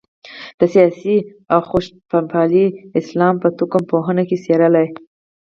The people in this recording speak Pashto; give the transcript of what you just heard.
د سیاسي او خشونتپالي اسلام په توکم پوهنه کې څېړلای.